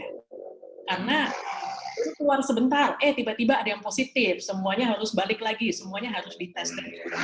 karena itu keluar sebentar eh tiba tiba ada yang positif semuanya harus balik lagi semuanya harus ditest